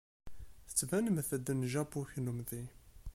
Tettbinemt-d n Japu kunemti.